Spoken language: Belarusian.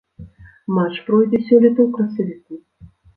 Матч пройдзе сёлета ў красавіку.